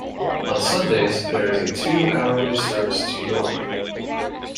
On Sundays there is a two-hourly service to York.